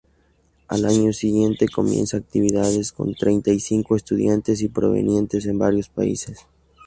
Al año siguiente comienza actividades con treinta y cinco estudiantes provenientes de varios países.